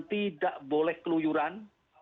tidak boleh keluyuran